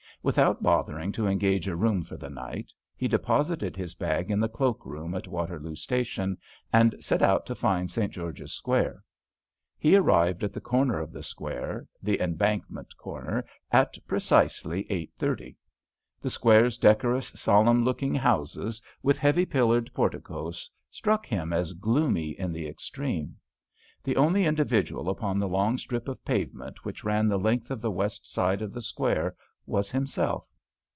Without bothering to engage a room for the night, he deposited his bag in the cloak room at Waterloo Station, and set out to find St. George's Square. He arrived at the corner of the square, the Embankment corner, at precisely eight thirty. The square's decorous, solemn looking houses with heavy pillared porticoes struck him as gloomy in the extreme. The only individual upon the long strip of pavement which ran the length of the west side of the square was himself.